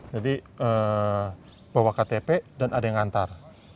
jadi bawa ktp dan ada yang ngantar